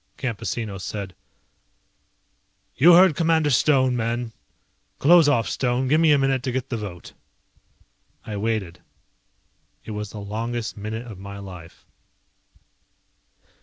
Campesino said, "You heard Commander Stone, men. Close off, Stone, give me a minute to get the vote." I waited. It was the longest minute of my life.